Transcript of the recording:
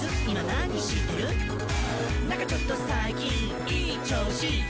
「なんかちょっと最近いい調子」